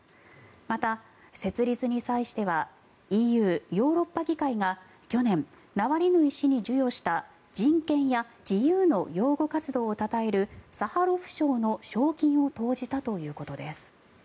また、設立に際してはＥＵ・ヨーロッパ議会が去年、ナワリヌイ氏に授与した人権や自由の擁護活動をたたえるサハロフ賞の賞金を投じたということです。